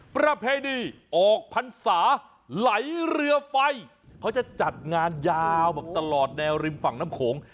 ประเพณีออกพรรษาไหลเรือไฟเขาจะจัดงานยาวแบบตลอดแนวริมฝั่งน้ำโขง